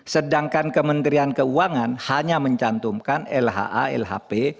sedangkan kementerian keuangan hanya mencantumkan lha lhp